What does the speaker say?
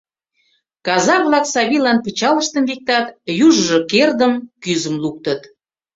Казак-влак Савийлан пычалыштым виктат, южыжо кердым, кӱзым луктыт.